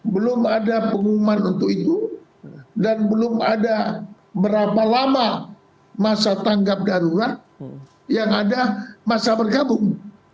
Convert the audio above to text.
belum ada pengumuman untuk itu dan belum ada berapa lama masa tanggap darurat yang ada masa bergabung